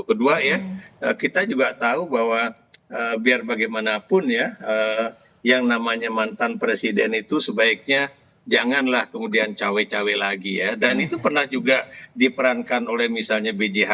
kedua ya kita juga tahu bahwa biar bagaimanapun ya yang namanya mantan presiden itu sebaiknya janganlah kemudian cawe cawe lagi ya dan itu pernah juga diperankan oleh misalnya b j habi